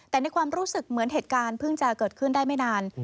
แต่ในความรู้สึกเหมือนเหตุการณ์เพิ่งจะเกิดขึ้นได้ไม่นาน